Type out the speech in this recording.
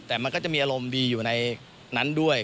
แต่มันก็จะมีอารมณ์ดีอยู่ในนั้นด้วย